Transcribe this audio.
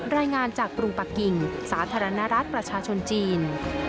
รายงานจากกรุงปะกิ่งสาธารณรัฐประชาชนจีน